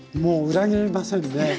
裏切りません？